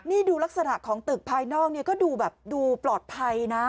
นี่ดูลักษณะของตึกภายนอกเนี่ยก็ดูแบบดูปลอดภัยนะ